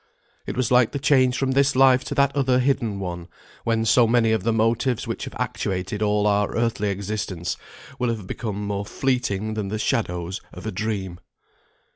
It was like the change from this Life to that other hidden one, when so many of the motives which have actuated all our earthly existence, will have become more fleeting than the shadows of a dream.